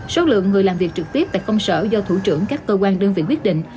số lượng người làm việc trực tiếp tại công sở do thủ trưởng các cơ quan đơn vị quyết định